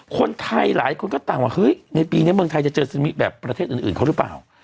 คนไทยหลายคนก็ต่างว่าเฮ้ยในปีนี้เมืองไทยจะเจอซึมิแบบประเทศอื่นเขาหรือเปล่า